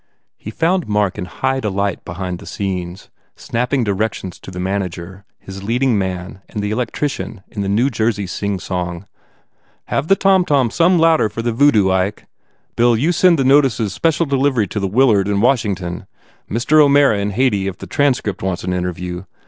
He found Mark in high de light behind the scenes, snapping directions to his manager, his leading man and the electrician in the New Jersey singsong. u Have the tomtom some louder for the Voodoo, Ike. Bill, you send all the notices special delivery to the Willard in Washington. Mr. O Mara s in Hayti if the Transcript wants an interview.